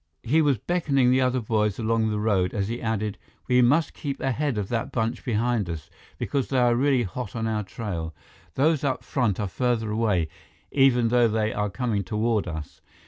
He was beckoning the other boys along the road as he added: "We must keep ahead of that bunch behind us, because they are really hot on our trail. Those up front are farther away, even though they are coming toward us.